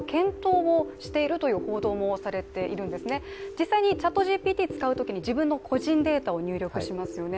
実際にＣｈａｔＧＰＴを使うときに自分の個人データを入力しますよね。